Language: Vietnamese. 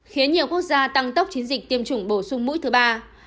khiến nhiều quốc gia tăng tốc chiến dịch tiêm chủng bổ sung mũi thứ ba